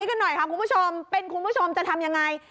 กันหน่อยค่ะคุณผู้ชมเป็นคุณผู้ชมจะทำยังไง